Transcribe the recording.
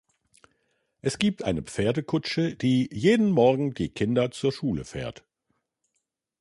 Es gibt eine Pferdekutsche, die jeden Morgen die Kinder zur Schule fährt.